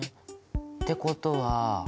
ってことは。